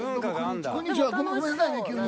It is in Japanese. こんにちはごめんなさいね急に。